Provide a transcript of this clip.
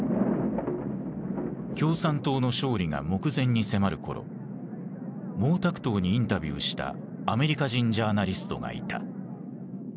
共産党の勝利が目前に迫る頃毛沢東にインタビューしたアメリカ人ジャーナリストがいた。